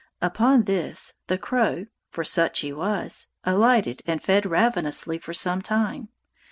Upon this the crow, for such he was, alighted and fed ravenously for some time.